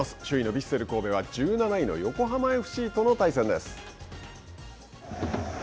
ヴィッセル神戸は１７位の横浜ＦＣと対戦です。